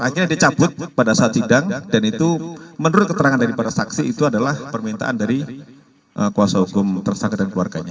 akhirnya dicabut pada saat sidang dan itu menurut keterangan dari para saksi itu adalah permintaan dari kuasa hukum tersangka dan keluarganya